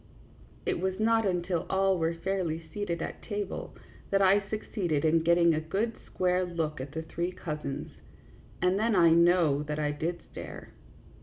It was not until all were fairly seated at table that I succeeded in getting a good square look at the three cousins, and then I know that I did stare.